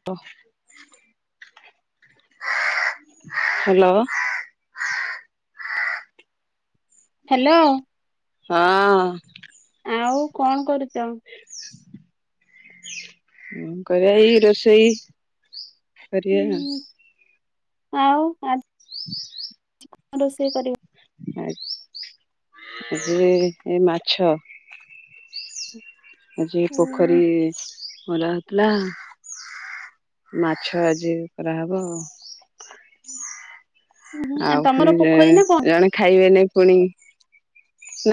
Hello. Hello. ହଁ। ଆଉ କଣ କରୁଛ? କଣ କରିଆ ଏଇ ରୋଷେଇ କରିବା। ହୁଁ ଆଉ ଆ ରୋଷେଇ କରିବ। ନାଇଁ ଆଜି ଏ ମାଛ। ଚି। ଆଜି ପୋଖରୀ ପୋଖରୀ ହେଲା। ହେଲା ମାଛ ଆଜି କରାହବ ଆଉ। ହୁଁ, ଆଉ ତମର ପୁଣି ଯେ ପୋଖରୀ ନା କଣ? ଜଣେ ଖାଇବେନି ପୁଣି।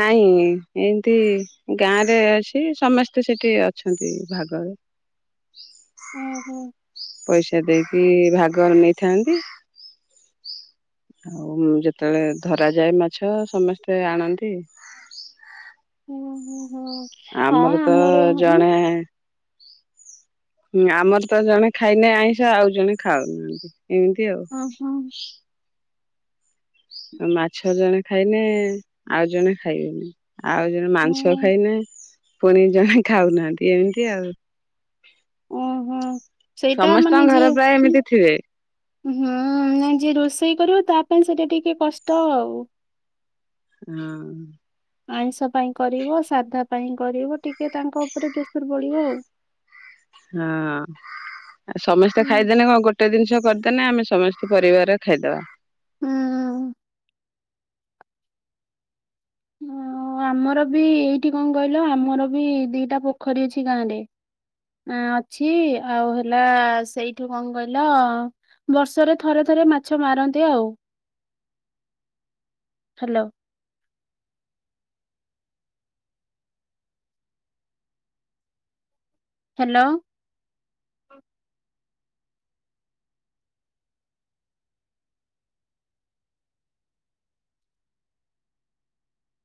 ନାହିଁ ଏମିତି ଗାଁରେ ଅଛି ସମସ୍ତେ ସେଠି ଅଛନ୍ତି ଭାଗରେ। ହୁଁ ହୁଁ। ପଇସା ଦେଇକି ଭାଗରେ ନେଇଥାନ୍ତି। ଆଉ ଯେତେବେଳେ ଧରା ଯାଏ ମାଛ ସମସ୍ତେ ଆଣନ୍ତି। ହୁଁ ହୁଁ ହୁଁ ହଁ ତ ଆମର ଉଁ। ଜଣେ ହୁଁ ଆମର ତ ଜଣେ ଖାଇନେ ଆଇଁଷ ଆଉ ଜଣେ ଖାଉନାହାନ୍ତି ଏମିତି ଆଉ। ହଁ ହଁ ମାଛ ଜଣେ ଖାଇନେ ଆଉ ଜଣେ ଖାଇବେନି। ଆଉ ଜଣେ ମାଂସ ହୁଁ ଖାଇନେ ପୁଣି ଜଣେ ଖାଉନାହାନ୍ତି ଏମିତି ଆଉ। ଉଁ ହୁଁ ସେଇଟା ସମସ୍ତଙ୍କ ମାନେ ଯିଏ ଘର ପ୍ରାୟ ଉଁ, ଏମିତି ଥିବେ। ହୁଁ ନାଇ ଯିଏ ରୋଷେଇ କରିବ ତା ପାଇଁ ସେଟା ଟିକେ କଷ୍ଟ ଆଉ। ହୁଁ। ଆଇଁଷ ପାଇଁ କରିବ ସାଧା ପାଇଁ କରିବ ଟିକେ ତାଙ୍କ ଉପରେ ପ୍ରେସର ବଢିବ ଆଉ। ହଁ ଆଉ ସମସ୍ତେ ହୁଁ ଖାଇଦେଲେ କଣ ଗୋଟେ। ଗୋଟେ ଜିନିଷ କରିଦେଲେ ଆମେ ସମସ୍ତେ ପରିବାରରେ ଖାଇଦେବା। ହୁଁ। ହଁ ଆମର ବି ଏଇଠି କଣ କହିଲ ଆମର ବି ଦିଟା ପୋଖରୀ ଅଛି ଗାଁରେ। ଅଛି ଆଉ ହେଲା ସେଇଠୁ କଣ କହିଲ। ବର୍ଷରେ ଥରେ ଥରେ ମାଛ ମାରନ୍ତି ଆଉ। [unintelligible] ହାଲୋ। ହ୍ୟାଲୋ।